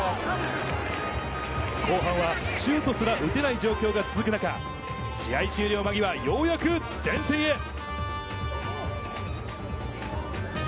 後半はシュートすら打てない状況が続く中、試合終了間際、ようやく前線へ。